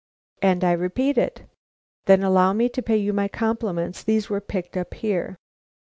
"And I repeat it." "Then allow me to pay you my compliments. These were picked up here."